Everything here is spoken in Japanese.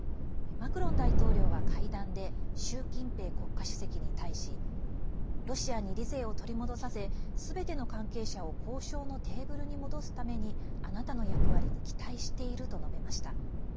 マクロン大統領は会談で習近平国家主席に対しロシアに理性を取り戻させすべての関係者を交渉のテーブルに戻すためにあなたの役割に期待していると述べました。